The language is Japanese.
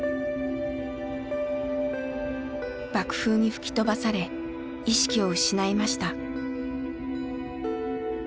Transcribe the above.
爆風に吹き飛ばされ意識を失いました。